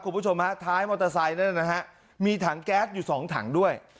คุณผู้ชมฮะท้ายมอเตอร์ไซค์นั่นนะฮะมีถังแก๊สอยู่สองถังด้วย